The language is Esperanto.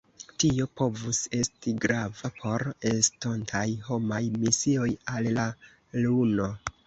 Tio povus esti grava por estontaj homaj misioj al la luno.